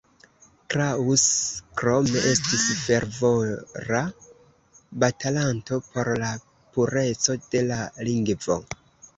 Kraus krome estis fervora batalanto por la pureco de la lingvo.